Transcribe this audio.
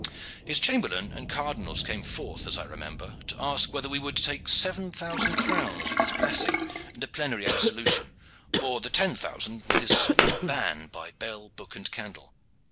His chamberlain and cardinals came forth, as I remember, to ask whether we would take seven thousand crowns with his blessing and a plenary absolution, or the ten thousand with his solemn ban by bell, book and candle.